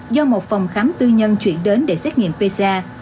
do một phòng khám tư nhân chuyển đến để xét nghiệm pc